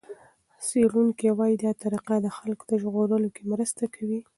څېړونکي وايي دا طریقه د خلکو ژغورلو کې مرسته کوي.